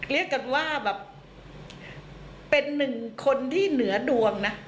เรียกกันว่าแบบเป็นหนึ่งคนที่เหนือดวงนะ